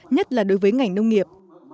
nhất là đối với ngành nông nghiệp